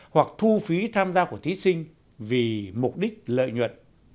hoặc thu phí tham gia của thí sinh vì mục đích lợi nhuận